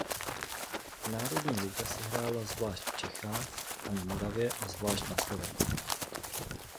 Národní liga se hrála zvlášť v Čechách a na Moravě a zvlášť na Slovensku.